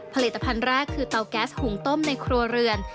ผลิตภัณฑ์แรกคือเตาแก๊สหุงต้มในครัวเรือน